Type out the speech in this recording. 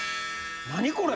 何これ？